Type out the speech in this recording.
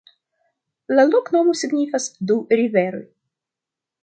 La loknomo signifas: du riveroj.